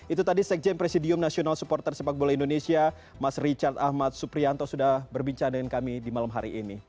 itu tadi sekjen presidium nasional supporter sepak bola indonesia mas richard ahmad suprianto sudah berbincang dengan kami di malam hari ini